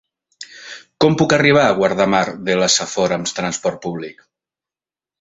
Com puc arribar a Guardamar de la Safor amb transport públic?